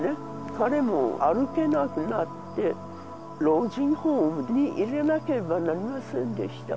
彼も歩けなくなって老人ホームに入れなければなりませんでした